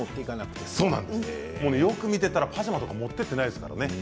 よく見ていたらパジャマとか持っていっていないですからね。